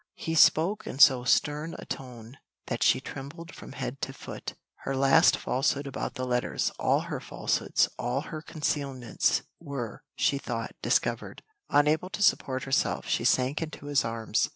He spoke in so stern a tone that she trembled from head to foot; her last falsehood about the letters all her falsehoods, all her concealments, were, she thought, discovered; unable to support herself, she sank into his arms.